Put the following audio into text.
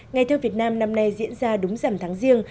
ngày thơ việt nam năm nay diễn ra đúng rằm tháng riêng